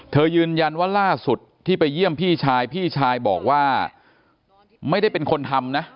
ยืนยันว่าล่าสุดที่ไปเยี่ยมพี่ชายพี่ชายบอกว่าไม่ได้เป็นคนทำนะ